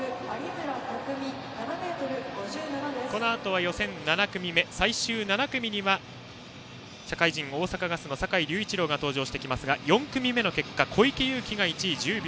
このあとは予選７組目最終７組には社会人、大阪ガスの坂井隆一郎が登場してきますが４組目の結果小池祐貴が１位、１０秒